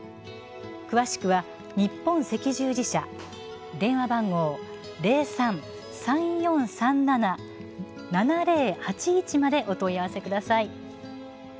詳しくは、日本赤十字社電話番号０３−３４３７−７０８１までお問い合わせください。